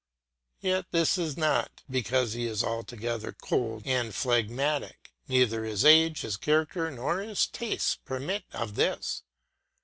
Yet this is not because he is altogether cold and phlegmatic, neither his age, his character, nor his tastes permit of this.